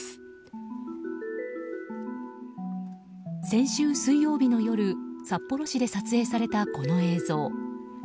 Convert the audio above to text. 先週水曜日の夜札幌市で撮影されたこの映像。